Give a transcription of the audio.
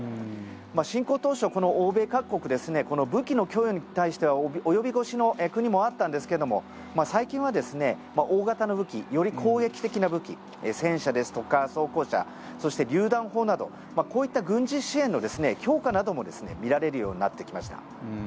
侵攻当初、欧米各国武器の供与に対しては及び腰の国もあったんですけども最近はですね、大型の武器より攻撃的な武器戦車ですとか装甲車そして、りゅう弾砲などこういった軍事支援の強化なども見られるようになってきました。